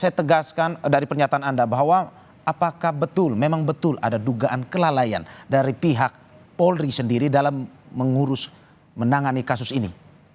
saya tegaskan dari pernyataan anda bahwa apakah betul memang betul ada dugaan kelalaian dari pihak polri sendiri dalam mengurus menangani kasus ini